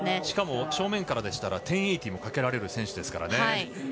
しかも正面からでしたら１０８０もかけられる選手です。